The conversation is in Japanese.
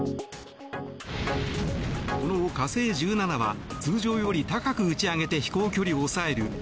この火星１７は通常より高く打ち上げて飛行距離を抑える